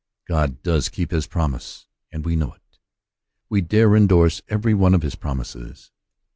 God does keep his promise^ and we know it. We dare endorse every one of his promises.